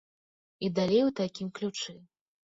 І далей у такім ключы.